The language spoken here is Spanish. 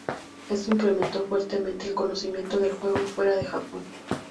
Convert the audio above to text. Esto incrementó fuertemente el conocimiento del juego fuera de Japón.